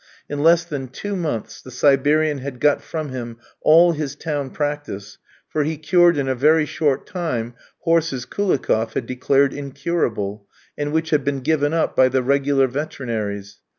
In less than two months the Siberian had got from him all his town practice, for he cured in a very short time horses Koulikoff had declared incurable, and which had been given up by the regular veterinaries.